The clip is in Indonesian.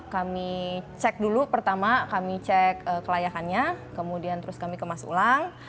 kami cek dulu pertama kami cek kelayakannya kemudian terus kami kemas ulang